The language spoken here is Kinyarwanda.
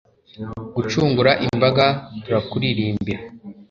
gucungura imbaga, turakuririmbira